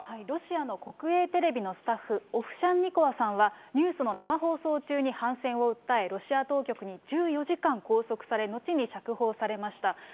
ロシアの国営テレビのスタッフ、オフシャンニコワさんは、ニュースの生放送中に反戦を訴え、ロシア当局に１４時間拘束され、後に釈放されました。